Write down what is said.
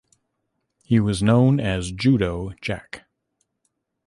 He was known as "Judo Jack".